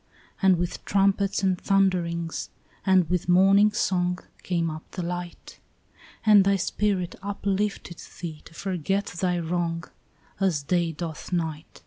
And with trumpets and thunderings and with morning song Came up the light; And thy spirit uplifted thee to forget thy wrong As day doth night.